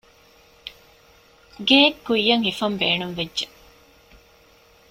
ގެއެއްކުއްޔަށް ހިފަން ބޭނުންވެއްޖެ